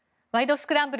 スクランブル」